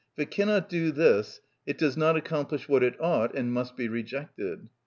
If it cannot do this it does not accomplish what it ought, and must be rejected.